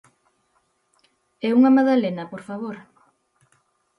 –E unha madalena, por favor.